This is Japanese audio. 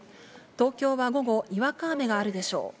東京は午後にわか雨があるでしょう。